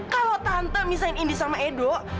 kalau tante misalnya indi sama edo